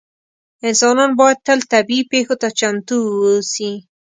انسانان باید تل طبیعي پېښو ته چمتو اووسي.